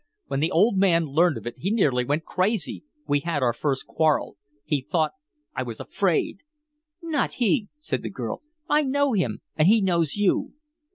When the old man learned of it he nearly went crazy. We had our first quarrel. He thought I was afraid " "Not he," said the girl. "I know him and he knows you."